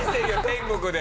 天国で。